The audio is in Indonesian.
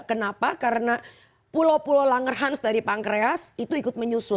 kenapa karena pulau pulau langerhans dari pankreas itu ikut menyusun